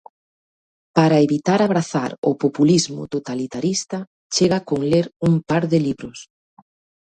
Para evitar abrazar o populismo totalitarista chega con ler un par de libros